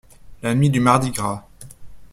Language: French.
La nuit du Mardi-Gras.